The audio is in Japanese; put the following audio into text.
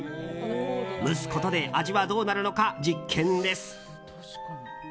蒸すことで味はどうなるのか実験です。